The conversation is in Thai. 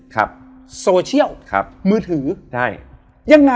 ได้ยิน